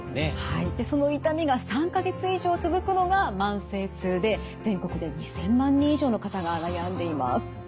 その痛みが３か月以上続くのが慢性痛で全国で２，０００万人以上の方が悩んでいます。